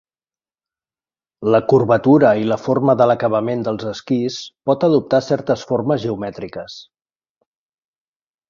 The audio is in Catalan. La curvatura i la forma de l'acabament dels esquís pot adoptar certes formes geomètriques.